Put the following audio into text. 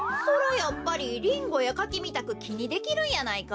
やっぱりリンゴやカキみたくきにできるんやないか？